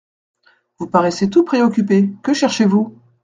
Vous paraissez tout préoccupé : que cherchez-vous ?